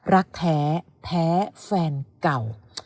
รักแท้แท้แฟนเก่า